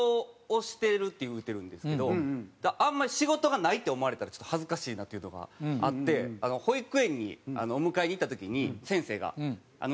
だからあんまり仕事がないって思われたらちょっと恥ずかしいなっていうのがあって保育園にお迎えに行った時に先生が「娘さん